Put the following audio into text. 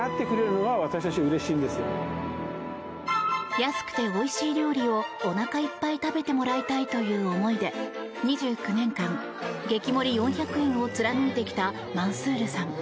安くておいしい料理をおなかいっぱい食べてもらいたいという思いで２９年間、激盛り４００円を貫いてきたマンスールさん。